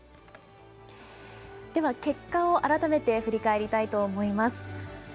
では結果を改めて振り返りたいと思います。